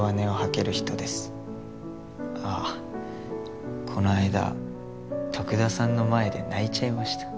ああこの間徳田さんの前で泣いちゃいました。